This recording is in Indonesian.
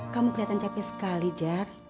kamu kelihatan cepih sekali jar